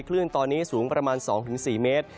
คลื่นตอนนี้สูงประมาณ๒๔เมตร